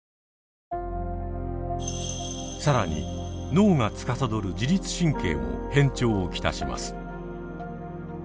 更に脳がつかさどる自律神経も変調を来します。